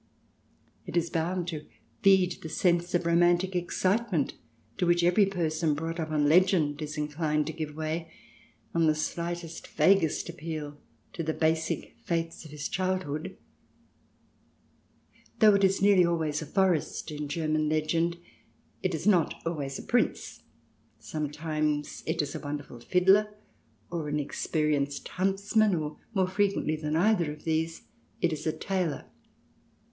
It is bound to feed the sense of romantic excitement to which every person brought up on legend is inclined to give way on the slightest, vaguest, appeal to the basic faiths of his childhood. Though it is nearly always a forest in German legend, it is not always a Prince. Sometimes it is a wonderful fiddler, or an experienced huntsman, and more frequently than either of these it is a tailor.